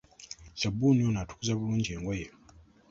Ssabbuni ono atukuza bulungi engoye!